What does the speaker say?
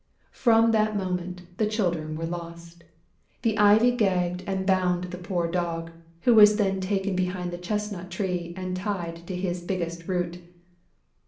From that moment, the Children were lost. The Ivy gagged and bound the poor Dog, who was then taken behind the Chestnut tree and tied to his biggest root.